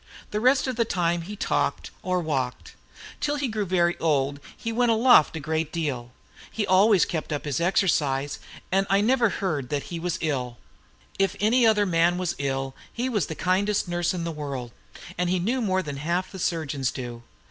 The rest of the time he talked or walked. Till he grew very old, he went aloft a great deal. He always kept up his exercise; and I never heard that he was ill. If any other man was ill, he was the kindest nurse in the world; and he knew more than half the surgeons do.